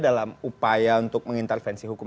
dalam upaya untuk mengintervensi hukum